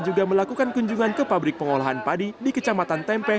juga melakukan kunjungan ke pabrik pengolahan padi di kecamatan tempeh